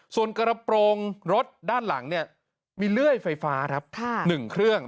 ส่วนกระปรงรถด้านหลังมีเลื่อยไฟฟ้า๑เครื่อง